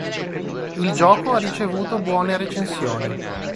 Il gioco ha ricevuto buone recensioni.